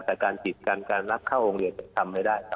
แต่การกิจการการรับเข้าโรงเรียนจะทำไม่ได้